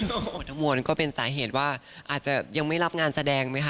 โอ้โหทั้งมวลก็เป็นสาเหตุว่าอาจจะยังไม่รับงานแสดงไหมคะ